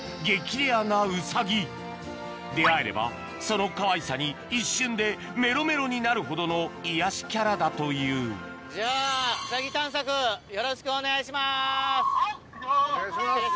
レアなウサギ出会えればそのかわいさに一瞬でメロメロになるほどの癒やしキャラだというじゃあウサギ探索よろしくお願いします。